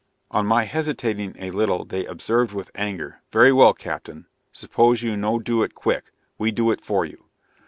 On my hesitating a little they observed with anger, "very well, captain, suppose you no do it quick, we do it for you."